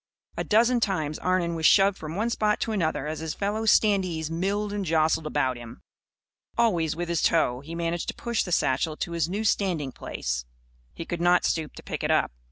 A dozen times, Arnon was shoved from one spot to another as his fellow standees milled and jostled about him. Always, with his toe, he managed to push the satchel to his new standing place. He could not stoop to pick it up.